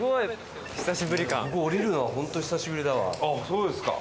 そうですか。